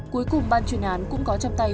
cuối cùng ban chuyên án cũng có trong tay